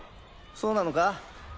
そうなのか？